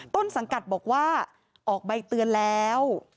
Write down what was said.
ต้นสังกัดบอกว่าออกใบเตือนแล้ว